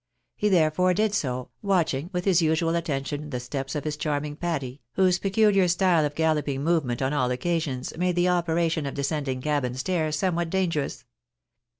He therefore did so, watching with his usual attention the steps of his charming Patty, whose peculiar style of galloping movement on all occasions, made the operation of descending cabin stairs somewhat dangerous.